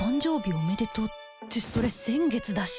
おめでとうってそれ先月だし